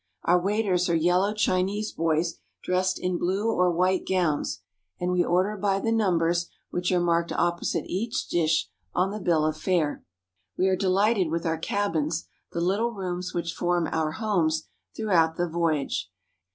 Our waiters are yellow Chinese boys dressed in blue or white gowns, and we order by the numbers which are marked opposite each dish on the bill of fare. We are delighted with our cabins, the little rooms which form our homes throughout the voyage.